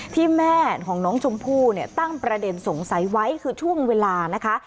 ที่แม่ของน้องชมพู่เนี่ยตั้งประเด็นสงสัยไว้คือช่วงเวลานะคะ